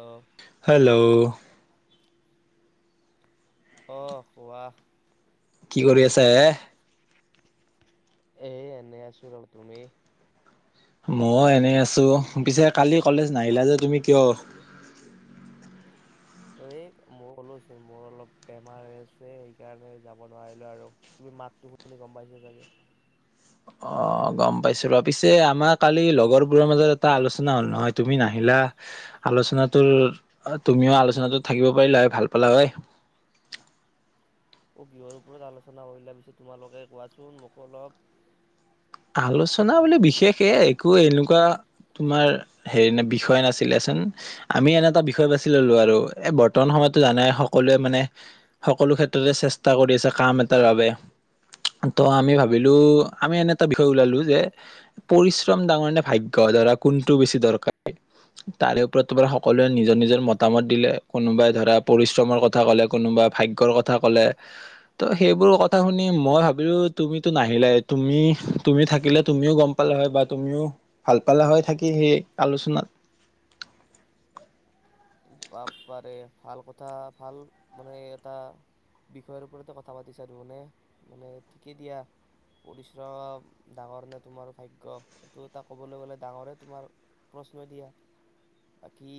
অঁ হেল্ল'। অ কোৱা। কি কৰি আছে এ? এ এনে আছো ৰ, তুমি? মইয় এনেই আছো, পিছে কালি কলেজ নাহিলা যে তুমি কিয়? এই মই লোচো মোৰ অলপ বেমাৰ হৈ আছে সেইকাৰণে যাব নোৱাৰিলোঁ আৰু। তুমি মাতটো শুনি গম পাইছা চাগে। অ গম পাইছো ৰ, পিছে আমাৰ কালি লগৰবোৰৰ মাজত এটা আলোচনা হল নহয় তুমি নাহিলা। আলোচনাটোৰ অ তুমিও আলোচনাটোত থাকিব পাৰিলা হয় ভাল পালা হয়। অ' কিহৰ ওপৰত আলোচনা কৰিলা পিছে তোমালোকে কোৱাচোন মোকো অলপ। আলোচনা বুলিলে বিশেষ এ একো এনেকুৱা তোমাৰ হেৰি নে বিষয় নাছিলেচন। আমি এনে এটা বিষয় বাছি ললো আৰু এ বৰ্তমান সময়তো জানে সকলোৱে মানে সকলো ক্ষেত্ৰতে চেষ্টা কৰি আছে কাম এটাৰ বাবে। ত আমি ভাবিলো আমি এনে এটা বিষয় ওলালো যে পৰিশ্ৰম ডাঙৰ নে ভাগ্য ধৰা কোনটো বেছি দৰকাৰ? তাৰে ওপৰত তোমাৰ সকলোৱে নিজৰ নিজৰ মতামত দিলে, কোনোবাই ধৰা পৰিশ্ৰমৰ কথা ক'লে কোনোবা ভাগ্য। কৰ কথা কলে, ত' সেইবোৰ কথা শুনি মই ভাবিলো তুমিতো নাহিলেই, তুমি তুমি থাকিলে তুমিও গম পালা হয় বা তুমিও ভাল পালা হয় থাকি সেই আলোচনাত। বাপাৰে ভাল, কথা ভাল মানে এটা বিষয়ৰ ওপৰতে কথা পাতিছা দেখোন এ, মানে মানে ঠিকেই দিয়া। পৰিশ্ৰম ডাঙৰ নে তোমাৰ ভাগ্য এইটো এটা ক'বলৈ গ'লে ডাঙৰে তোমাৰ প্ৰশ্ন দিয়া, বাকী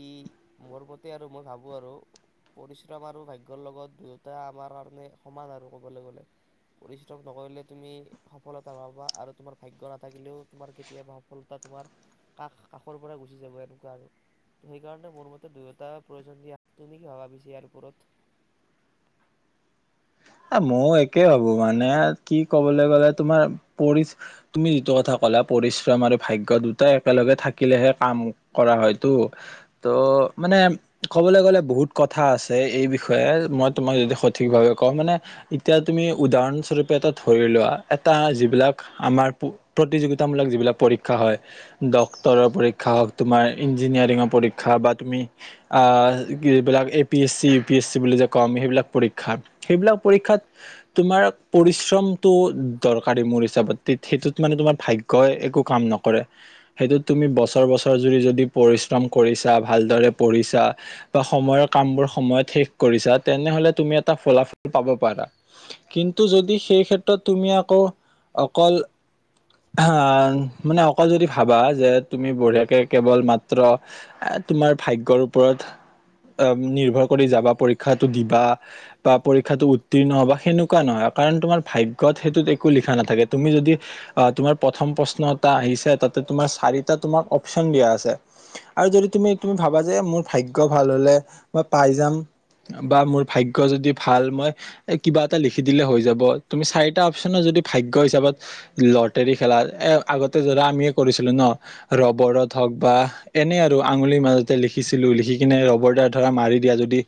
মোৰ মতে আৰু মই ভাবোঁ আৰু পৰিশ্ৰম আৰু ভাগ্যৰ লগত দুয়োটা আমাৰ কাৰণে সমান আৰু ক'বলৈ গলে। পৰিশ্ৰম নকৰিলে তুমি সফলতা পাবা আৰু তোমাৰ ভাগ্য নাথাকিলেও তোমাৰ কেতিয়াবা সফল তোমাৰ কাষ কাষৰ পৰা গুচি যাব এনেকুৱা আৰু ত সেইকাৰণে মোৰ মতে দুয়ো এটা প্ৰয়োজনীয়, তুমি কি ভাবা পিছে ইয়াৰ ওপৰত? এ ময়ো একে ভাবো মানে কি কবলৈ গলে তোমাৰ পৰি তুমি যিটো কথা ক'লা পৰিশ্ৰম আৰু ভাগ্য দুটা একেলগে থাকিলেহে কাম কৰা হয়তো, ত' মানে কবলৈ গ'লে বহুত কথা আছে এই বিষয়ে মই তোমাক যদি সঠিক ভাৱে কওঁ মানে এতিয়া তুমি উদাহৰণস্বৰূপে এটা ধৰি লোৱা এটা যিবিলাক আমাৰ প্ৰতিযোগিতামূলক যিবিলাক পৰীক্ষা হয় ডক্তৰৰ পৰীক্ষা হওক তোমাৰ ইঞ্জিনিয়াৰিঙৰ পৰীক্ষা বা তুমি অ যিবিলাক A P S C U P S C বুলি যে কওঁ আমি সেইবিলাক পৰীক্ষা, সেইবিলাক পৰীক্ষাত তোমাৰ পৰিশ্ৰমটো দৰকাৰী মোৰ হিচাপত সেইটোত মানে তোমাৰ ভাগ্ কয় একো কাম নকৰে। সেইটোত তুমি বছৰ বছৰ জুৰি যদি পৰিশ্ৰম কৰিছা ভালদৰে পঢ়িছা বা সময়ৰ কামবোৰ সময়ত শেষ কৰিছা তেনেহলে তুমি এটা ফলাফল পাব পাৰা, কিন্তু যদি সেই ক্ষেত্ৰত তুমি আকৌ অকল আহ মানে অকল যদি ভাবা যে তুমি বঢ়িয়াকে কেৱল মাত্ৰ এ তোমাৰ ভাগ্যৰ ওপৰত অ নিৰ্ভৰ কৰি যাবা পৰীক্ষাটো দিবা বা পৰীক্ষাটো উত্তীৰ্ণ হবা সেনেকুৱা নহয় কাৰণ তোমাৰ ভাগ্যত সেইটোত একো লিখা নাথাকে তুমি যদি অ', তোমাৰ প্ৰথম প্ৰশ্ন এটা আহিছেঁ তাতে তোমাৰ চাৰিটা তোমাক অপচন দিয়া আছেঁ আৰু যদি তুমি তুমি ভাবা যে মোৰ ভাগ্য ভাল হলে মই পাই যাম বা মোৰ ভাগ্য যদি ভাল মই এ কিবা এটা লিখি দিলে হৈ যাব, তুমি চাৰিটা অপচনৰ যদি ভাগ্য হিচাপত লটাৰী খেলা এ আগতে ধৰা আমিয়ে কৰিছিলো ন, ৰবৰত হওক বা এনেই আৰু আঙুলিৰ মাজতে লিখিছিলোঁ, লিখি কিনে ৰবৰ দাল ধৰা মাৰি দিয়া যদি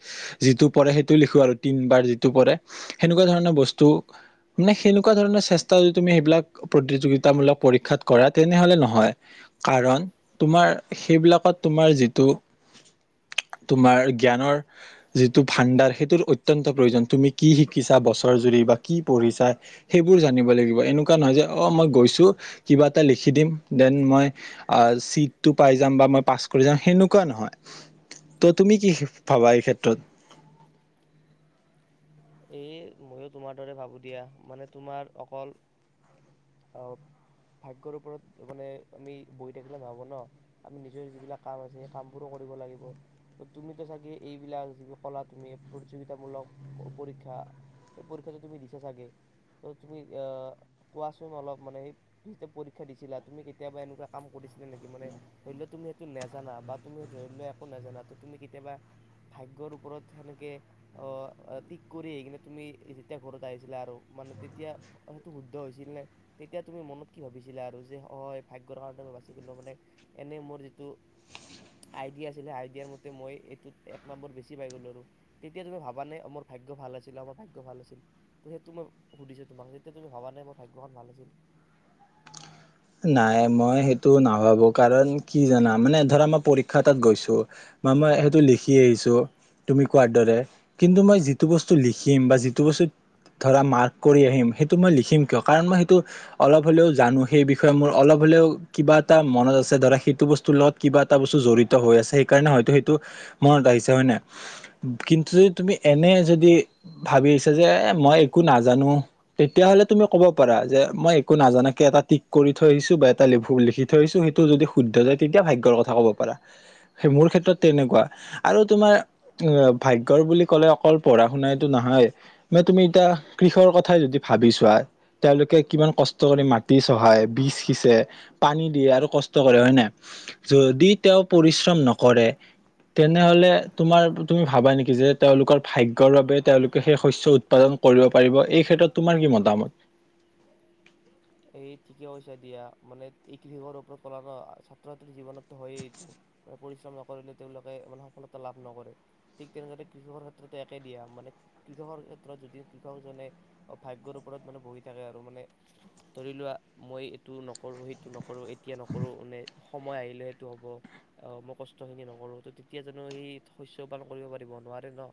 যিটো পৰে সেইটো লিখো আৰু তিনবাৰ যিটো পৰে সেনেকুৱা ধৰণৰ বস্তু মানে সেনেকোৱা ধৰণৰ চেষ্টা যদি তুমি এইবিলাক প্ৰতিযোগিতামূলক পৰীক্ষাত কৰা তেনেহলে নহয়। কাৰণ, তোমাৰ সেইবিলাকত তোমাৰ যিটো তোমাৰ জ্ঞানৰ যিটো ভাণ্ডাৰ সেইটোৰ অত্য অত্যন্ত প্ৰয়োজন! তুমি কি শিকিছা বছৰ জুৰি বা কি পঢ়িছা? সেইবোৰ জানিব লাগিব! এনেকুৱা নহয় যে অ' মই গৈছোঁ কিবা এটা লিখি দিম? দেন মই আহ' চিটটো পাই যাম বা মই পাছ কৰি যাম! সেনেকুৱা নহয়? ত' তুমি কি ভাবা এই ক্ষেত্ৰত? এই ময়ো তোমাৰ দৰে ভাবো দিয়া, মানে তোমাৰ অকল আহ' ভাগ্যৰ ওপৰত মানে আমি বহি থাকিলে নহ'ব ন? আমি নিজৰ যিবিলাক কাম আছে সেই কামবোৰো কৰিব লাগিব। ত' তুমিতো চাগে এইবিলাক যিবোৰ কলা তুমি প্ৰতিযোগিতামূলক পৰীক্ষা! এই পৰীক্ষা যে তুমি দিছা চাগে ত' তুমি এ কোৱাচোন অলপ মানে সেয়া পৰীক্ষা দিছিলা তুমি কেতিয়াবা এনেকুৱা কাম কৰিছিলা নেকি? মানে ধৰি লোৱা, তুমি সেইটো নেজানা বা তুমি ধৰি লোৱা একো নাজানা, তুমি কেতিয়াবা ভাগ্যৰ ওপৰত সেনেকে অ', টিক কৰি আহি কিনে তুমি যেতিয়া ঘৰত আহিছিলা আৰু মানে তেতিয়া সেইটো শুদ্ধ হৈছিল নে? তেতিয়া তুমি মনত কি ভাবিছিলা আৰু যে অ', ভাগ্যৰ কাৰণে মই বাছি গলোঁ মানে? এনেই মোৰ যিটো আইডিয়া আছিলে আইডিয়াৰ মতে মই এইটোত এক নম্বৰ বেছি পাই গ'লোঁ আৰু? তেতিয়া তুমি ভাবা নে? মোৰ ভাগ্য ভাল আছিল মোৰ ভাগ্য ভাল আছিল। ত' সেইটো মই সুধিছোঁ তোমাক তেতিয়া তুমি ভাবা নে মোৰ ভাগ্যখন ভাল আছিল? নাই মই সেইটো নাভাবো। কাৰণ, কি জানা মানে ধৰা মই পৰীক্ষা এটাত গৈছোঁ। বা মই সেইটো লিখি আহিছোঁ তুমি কোৱাৰ দৰে, কিন্তু মই যিটো বস্তু লিখিম বা যিটো বস্তু ধৰা মাৰ্ক কৰি আহিম সেইটো মই লিখিম কিয কাৰণ মই সেইটো অলপ হ'লেও জানো সেইবিষয়ে বিষয়ে মোৰ অলপ হলেও কিবা এটা মনত আছে ধৰা সেইটো বস্তুৰ লগত কিবা এটা বস্তু জড়িত হৈ আছে! সেইকাৰণে হয়তো সেইটো মনত আহিছে হয় নাই? কিন্তু যদি তুমি এনে যদি ভাবি আছা যে মই একো নাজানো। তেতিয়াহ'লে তুমি ক'ব পাৰা যে মই একো নাজানাকে এটা টিক কৰি থৈ আহিছোঁ বা এটা ল লিখি থৈ আহিছোঁ সেইটো যদি শুদ্ধ যায় তেতিয়া ভাগ্যৰ কথা ক'ব পাৰা। সেই মোৰ ক্ষেত্ৰত তেনেকুৱা, আৰু তোমাৰ অ', ভাগ্যৰ বুলি ক'লে অকল পঢ়া শুনাইটো নহয়? মানে তুমি এতিয়া কৃষৰ কথাই যদি ভাবি ছোৱা তেওঁলোকে কিমান কষ্ট কৰি মাটি হয় বীজ সিঁচে, পানী দিয়ে আৰু কষ্ট কৰে হয় নাই। যদি তেওঁ পৰিশ্ৰম নকৰে তেনেহ'লে তোমাৰ তুমি ভাবা নেকি যে, তেওঁলোকৰ ভাগ্যৰ বাবে তেওঁলোকে সেই শস্য উৎপাদন কৰিব পাৰিব, এই ক্ষেত্ৰত তোমাৰ কি মতামত? এই ঠিকেই কৈছা দিয়া মানে কিহৰ ওপৰত কলা ন ছাত্ৰ- ছাত্ৰী জীৱনত হয়ে এই টো। পৰিশ্ৰম নকৰিলে তেওঁলোকে মানে সফলতা লাভ নকৰে! ঠিক তেনেদৰে কৃষকৰ ক্ষেত্ৰতেো একে দিয়া, মানে কৃষকৰ ক্ষেত্ৰত যদি কৃষকজনে ভাগ্যৰ ওপৰত মানে বহি থাকে আৰু মানে? ধৰি লোৱা, মই এইটো নকৰোঁ সেইটো নকৰোঁ এতিয়া নকৰোঁ মানে সময় আহিলে সেইটো হ'ব। আহ মই কষ্ট খিনি নকৰো ত তেতিয়া জানো সেই শস্য পালন কৰিব পাৰিব নোৱাৰে ন।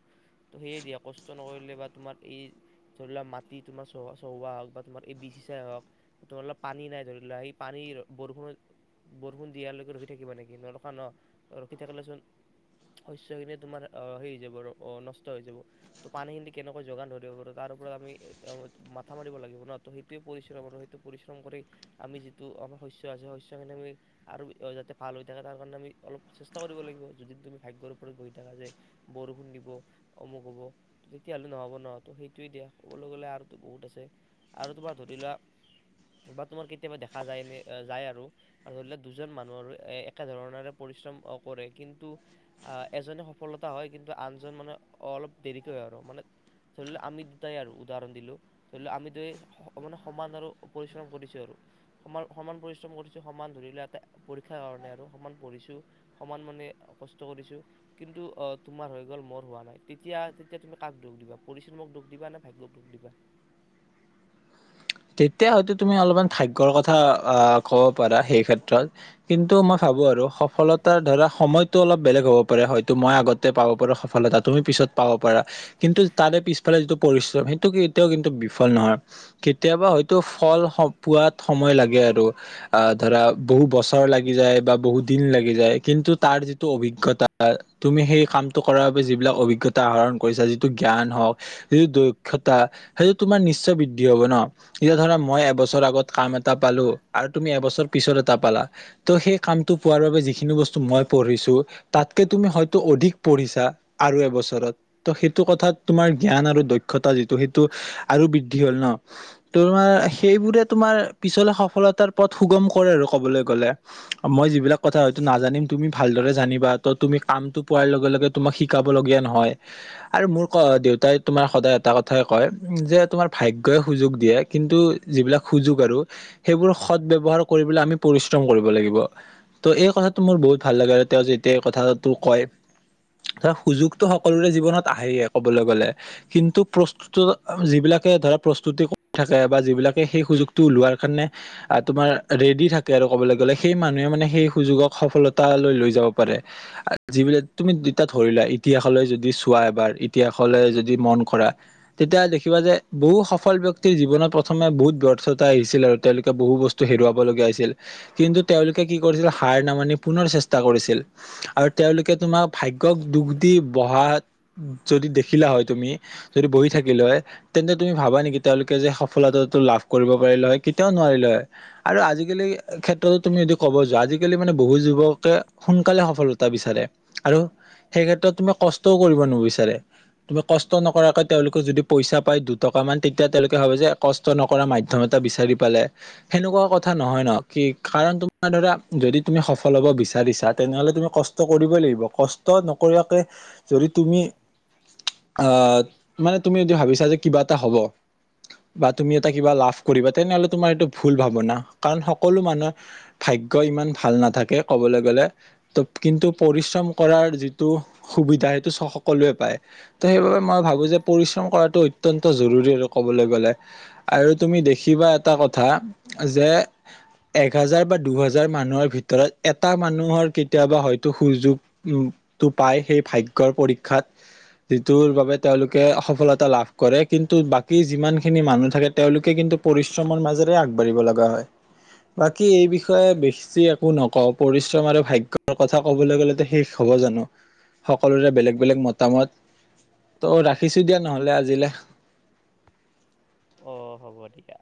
ত' সেয়ে দিয়া কষ্ট নকৰিলে বা তোমাৰ এই ধৰি লোৱা মাটি তোমাৰ চ চহুৱোৱা হওঁক বা তোমাৰ এ বীজ সিচাই হওঁক তোমালোকৰ পানী নাই ধৰি লোৱা সি পানী বৰষুণ বৰষুণ দিয়ালৈকে ৰখি থাকিবা নেকি নৰখা ন ৰখি থাকিলেচোন শস্যখিনি তোমাৰ আহ হেৰি হৈ যাব আৰু অ নষ্ট হৈ যাব ত' পানীখিনি কেনেকৈ যোগান ধৰিব পাৰ তাৰ ওপৰত আমি মাথা মাৰিব লাগিব ন ত সেইটোয়ে পৰিশ্ৰম আৰু টো পৰিশ্ৰম কৰি আমি যিটো আমাৰ শস্য আছে শস্যখিনি আমি আৰু যাতে ভাল হৈ থাকে তাৰ কাৰণে আমি অলপ চেষ্টা কৰিব লাগিব যদি তুমি ভাগ্যৰ ওপৰত গহি থাকা যে বৰষুণ দিব অমুক হ'ব তেতিয়াহ'লে নহ'ব নহয়তো সেইটোৱে দিয়া ক'বলৈ গ'লে আৰুতো বহুত আছে আৰু তোমাৰ ধৰি লোৱা বা তোমাৰ কেতিয়াবা দেখা যায়নে যায় আৰু ধৰিলে দুজন মানুহৰ এ একে ধৰণৰে পৰিশ্ৰম কৰে কিন্তু এজনে সফলতা হয় কিন্তু আনজন মানে অলপ দেৰিকৈ হয় আৰু মানে ধৰি লওক আমি দুটাই আৰু উদাহৰণ দিলো ধৰি লওক আমি দুয়ে মানে সমান আৰু পৰিশ্ৰম কৰিছোঁ আৰু সমান সমান পৰিশ্ৰম কৰিছোঁ সমান ধৰিলে এটা পৰীক্ষাৰ কাৰণে আৰু সমান পঢ়িছোঁ সমান মানে কষ্ট কৰিছোঁ। কিন্তু তোমাৰ হৈ গ'ল মোৰ হোৱা নাই তেতিয়া তেতিয়া তুমি কাক দুখ দিবা পৰিশ্ৰমক দুখ দিবা নে ভাগ্যক দুখ দিবা। তেতিয়া হয়তো তুমি অলপমান ভাগ্যৰ কথা আহ ক'ব পাৰা সেই ক্ষেত্ৰত কিন্তু মই ভাবো আৰু সফলতাৰ ধৰা সময়তটো অলপ বেলেগ হ'ব পাৰে হয়তো মই আগত পাব পৰা সফলতা তুমি পিছত পাব পাৰা কিন্তু তাৰে পিছফালে যিটো পৰিশ্ৰম সেইটো কেতিয়াও কিন্তু বিফল নহয় কেতিয়াবা হয়তো ফল পোৱাত সময় লাগে আৰু আহ ধৰা বহু বছৰ লাগি যায় বা বহু দিন লাগি যায় কিন্তু তাৰ যিটো অভিজ্ঞতা তুমি সেই কামটো কৰাৰ বাবে যিবিলাক অভিজ্ঞতা আহৰণ কৰিছা যিটো জ্ঞান হওঁক যিটো দক্ষতা সেইটো তোমাৰ নিশ্চয় বৃদ্ধি হব ন। এতিয়া ধৰা মই এবছৰ আগত কাম এটা পালো আৰু তুমি এবছৰ পিছত এটা পালা তো সেই কামটো পোৱাৰ বাবে যিখিনি বস্তু মই পঢ়িছোঁ। তাতকে তুমি হয়তো অধিক পঢ়িছা আৰু এবছৰত ত' সেইটো কথাত তোমাৰ জ্ঞান আৰু দক্ষতা যিটো সেইটো আৰু বৃদ্ধি হ'ল ন তোমাৰ সেইবোৰে তোমাৰ পিছলে সফলতাৰ পথ সুগম কৰে আৰু কবলৈ গ'লে মই যিবিলাক কথা হয়তো নাজানিম তুমি ভালদৰে জানিবা ত তুমি কামটো পোৱাৰ লগে লগে তোমাক শিকাবলগীয়া নহয় আৰু মোৰ দেউতাই তোমাৰ সদায় এটা কথাই কয় যে তোমাৰ ভাগ্যই সুযোগ দিয়ে কিন্তু যিবিলাক সুযোগ আৰু সেইবোৰ সদব্যৱহাৰ কৰিবলৈ আমি পৰিশ্ৰম কৰিব লাগিব ত' এই কথাটো মোৰ বহুত ভাল লাগে আৰু তেওঁ যেতিয়া কথাটো কয় ধৰা সুযোগতো সকলোৰে জীৱনত আহে কবলৈ গলে কিন্তু প্ৰস্তুত যিবিলাকে ধৰা প্ৰস্তুতি থাকে বা যিবিলাকে সেই সুযোগটো ওলোৱাৰ কাৰণে তোমাৰ ৰেডি থাকে আৰু কবলৈ গলে সেই মানুহে মানে সেই সুযোগক সফলতা লৈ লৈ যাব পাৰে যিবিলাক তুমি তেতিয়া ধৰিলা ইতিহাসলৈ যদি চোৱা এবাৰ ইতিহাসলৈ যদি মন কৰা তেতিয়া দেখিবা যে বহু সফল বক্তি জীৱনত প্ৰথমে বহুত ব্যৰ্থতা আহিছিল আৰু তেওঁলোকে বহুত বস্তু হেৰুৱাব লগীয়া হৈছিল কিন্তু তেওঁলোকে কি কৰিছিল হাৰ নামানি পুনৰ চেষ্টা কৰিছিল। আৰু তেওঁলোকে তোমাক ভাগ্যয়ক দুখ দি বহা যদি দেখিলা হয় তুমি যদি বহি থাকিল হয় তেন্তে তুমি ভাবা নেকি তেওঁলোকে যে সফলতাটো লাভ কৰিব পাৰিলে হয় কেতিয়াও নোৱাৰিলে হয় আৰু আজিকালি ক্ষেত্ৰতো তুমি যদি ক'ব যোৱা আজিকালি মানে বহুত যুৱকে সোনকালে সফলতা বিচাৰে। আৰু সেই ক্ষেত্ৰত তুমি কষ্টও কৰিব নিবিচাৰে। তুমি কষ্ট নকৰাকৈ তেওঁলোকে যদি পইচা পায় দুটকা মান- এতিয়া তেওঁলোকে ভাবে যে কষ্ট নকৰা মাধ্যম এটা বিচাৰি পালে। সেনেকুৱা কথা নহয় ন, কি কাৰণ তোমাৰ ধৰা যদি তুমি সফল হ'ব বিচাৰিছা তেনেহ'লে তুমি কষ্ট- কষ্ট কৰিব লাগিব, কষ্ট নকৰাকে- যদি তুমি আহ, মানে তুমি যদি ভাবিছা যে কিবা এটা হ'ব- বা তুমি এটা কিবা লাভ কৰিবা, তেনেহলে তোমাৰ এইটো ভুল ভাৱনা কাৰণ সকলো মানুহে- ভাগ্য ইমান ভাল নাথাকে ক'বলৈ গ'লে। ত কিন্তু পৰিশ্ৰম কৰাৰ যিটো সুবিধা সেইটো চ সকলোৱে পায়। ত' সেইবাবে মই ভাবো যে পৰিশ্ৰম কৰাটো অত্যন্ত জৰুৰী হয়। ক'বলৈ গ'লে আৰু তুমি দেখিবা এটা কথা যে- এক হাজাৰ বা দুহাজাৰ মানুহৰ ভিতৰত এটা মানুহৰ কেতিয়াবা হয়তো সুযোগ- উম, টো পাই সেই ভাগ্যৰ পৰীক্ষাত। যিটোৰ বাবে তেওঁলোকে সফলতা লাভ কৰে, কিন্তু বা- কি যিমান খিনি মানুহ থাকে, তেওঁলোকে কিন্তু পৰিশ্ৰমৰ মাজেৰে আগবাঢ়িব লগা হয়। বাকী এই বিষয়ে বেছি একো নকওঁ, পৰিশ্ৰম আৰু ভাগ্যৰ কথা ক'বলৈ গ'লে শেষ- হ'ব জানো, সকলোৰে বেলেগ-বেলেগ মতামত। ত' ৰাখিছো দিয়া নহলে আজিলে। অঁ, হ'ব দিয়া।